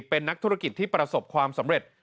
เป็นนักธุรกิจที่ประสบความสำเร็จ